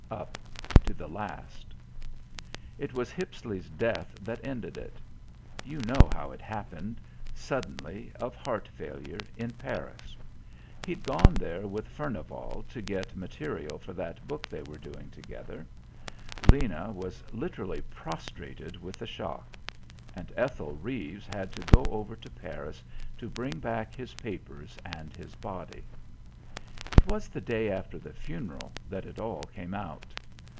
Up to the last. It was Hippisley's death that ended it. You know how it happened suddenly, of heart failure, in Paris. He'd gone there with Furnival to get material for that book they were doing together. Lena was literally "prostrated" with the shock; and Ethel Reeves had to go over to Paris to bring back his papers and his body. It was the day after the funeral that it all came out.